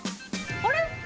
あれ？